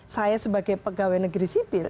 saya sebagai pegawai negeri sipil